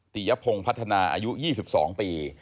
ติยพงศ์พัฒนาอายุ๒๒ปี